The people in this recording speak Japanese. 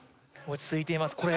落ち着いています